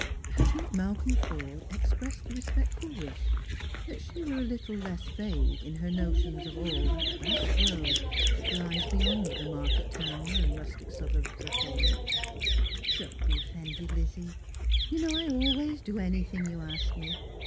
Has not Malcolm Forde expressed a respectful 6 t^trangers and Pilgrims, wish that she were a little less vague in her notions of all that vast worldwhich lies beyond the market town and rustic suburbs of Hawleigh ? "Don't be offended, Lizzie; you know I always do anything you ask me.